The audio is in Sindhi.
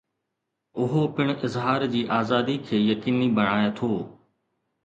اهو پڻ اظهار جي آزادي کي يقيني بڻائي ٿو.